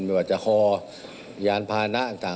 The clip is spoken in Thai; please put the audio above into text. แบบวางจากฮยานภานะต่าง